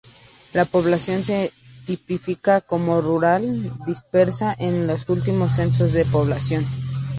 La población se tipifica como "rural dispersa" en los últimos censos de población.